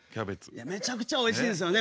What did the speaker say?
めちゃくちゃおいしいですよね。